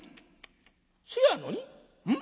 せやのにん？